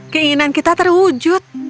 keinginan kita terwujud